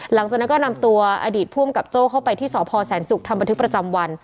หลังจากนั้นก็นำตัวอดีตผู้อำกับโจ้เข้าไปที่สพแสนศุกร์ทำบันทึกประจำวัน